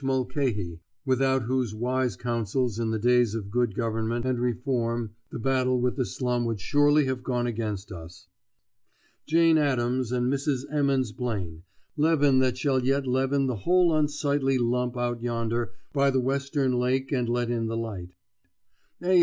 Mulchahey, without whose wise counsels in the days of good government and reform the battle with the slum would surely have gone against us; Jane Addams and Mrs. Emmons Blaine, leaven that shall yet leaven the whole unsightly lump out yonder by the western lake and let in the light; A.